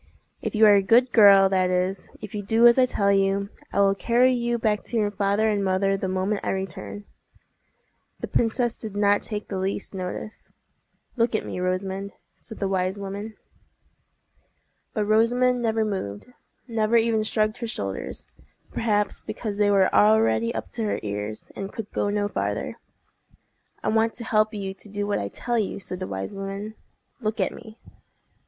If you are a good girl, that is, if you do as I tell you, I will carry you back to your father and mother the moment I return." The princess did not take the least notice. "Look at me, Rosamond," said the wise woman. But Rosamond never moved—never even shrugged her shoulders—perhaps because they were already up to her ears, and could go no farther. "I want to help you to do what I tell you," said the wise woman. "Look at me."